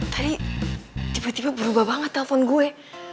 tadi tiba tiba berubah banget telpon gue